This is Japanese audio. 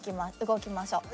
動きましょう。